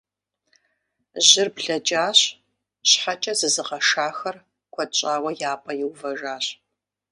Жьыр блэкӀащ, щхьэкӀэ зызыгъэшахэр куэд щӀауэ я пӀэ иувэжащ.